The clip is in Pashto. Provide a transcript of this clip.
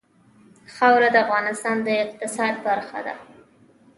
خاوره د افغانستان د اقتصاد برخه ده.